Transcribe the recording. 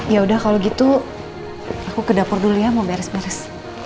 ya udah kalau gitu aku ke dapur dulu ya mau beres beres